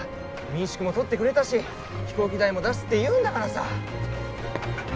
民宿も取ってくれたし飛行機代も出すって言うんだからさ。